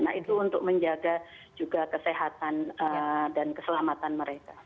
nah itu untuk menjaga juga kesehatan dan keselamatan mereka